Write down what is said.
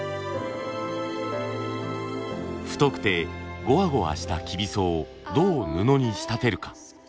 太くてゴワゴワしたきびそをどう布に仕立てるか。